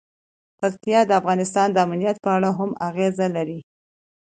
پکتیا د افغانستان د امنیت په اړه هم اغېز لري.